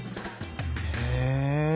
へえ。